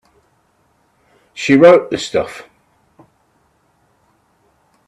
She wrote the stuff.